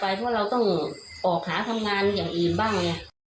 เพราะว่าเราต้องออกหาทำงานอย่างอีกบ้าง